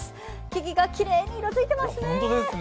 木々がきれいに色づいてますね。